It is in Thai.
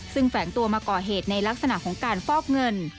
ซึ่งแฝงตัวมาก่อเหตุในลักษณะของการฟอกเงิน